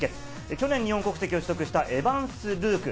去年、日本国籍を取得したエヴァンス・ルーク。